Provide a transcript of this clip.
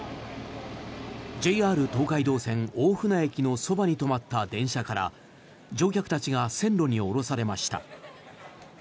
ＪＲ東海道線大船駅のそばに止まった電車から乗客たちが線路に降ろされました。